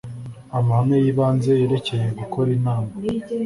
amahame y’ibanze yerekeye gukora inama